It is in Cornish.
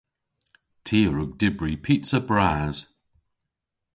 Ty a wrug dybri pizza bras.